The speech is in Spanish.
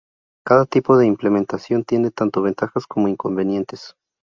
Cada tipo de implementación tiene tanto ventajas como inconvenientes.